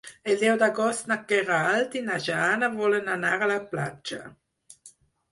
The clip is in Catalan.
El deu d'agost na Queralt i na Jana volen anar a la platja.